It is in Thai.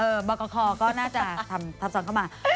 เออบักกะครก็น่าจะทำแต่สอนเข้ามา